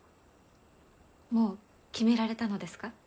もう決められたのですか？